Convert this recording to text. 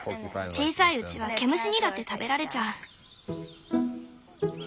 小さいうちは毛虫にだって食べられちゃう。